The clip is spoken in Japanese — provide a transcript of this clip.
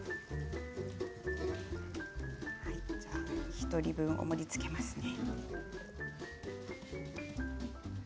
１人分を盛りつけますね。